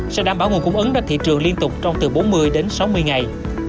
sẽ đảm bảo nguồn cung ứng ra thị trường liên tục trong từ bốn mươi đến sáu mươi ngày